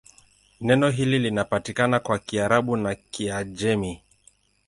Neno hili linapatikana kwa Kiarabu na Kiajemi.